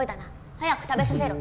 早く食べさせろ。